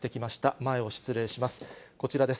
前を失礼します。